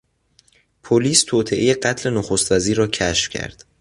پلیس توطئهی قتل نخست وزیر را کشف کرد.